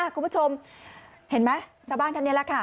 คุณผู้ชมเห็นไหมชาวบ้านท่านนี้แหละค่ะ